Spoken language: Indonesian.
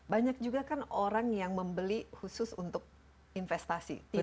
banyak juga kan orang yang membeli khusus untuk investasi